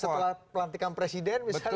setelah pelantikan presiden misalnya